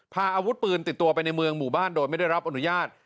พาอาวุธปืนติดตัวไปในเมืองหมู่บ้านโดยไม่ได้รับอนุญาต